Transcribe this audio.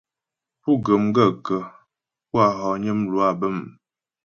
Pú ghə̀ m gaə̂kə́ pú a hɔgnə mlwâ bə̂m ?